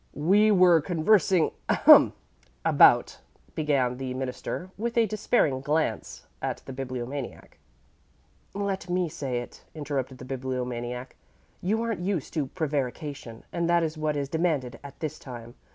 "We were conversing ahem! about " began the Minister, with a despairing glance at the Bibliomaniac. "Let me say it," interrupted the Bibliomaniac. "You aren't used to prevarication, and that is what is demanded at this time.